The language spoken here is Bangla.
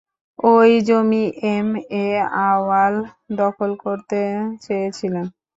ওই জমি এম এ আউয়াল দখল করতে চেয়েছিলেন।